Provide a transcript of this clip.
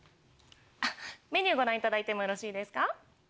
あっメニューご覧いただいてもよろしいですか？